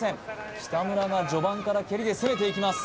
北村が序盤から蹴りで攻めていきます